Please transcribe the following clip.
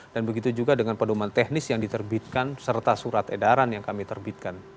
dan begitu juga dengan pendorongan teknis yang diterbitkan serta surat edaran yang kami terbitkan